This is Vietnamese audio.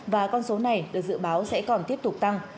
và con số này được dự báo sẽ còn tiếp tục tăng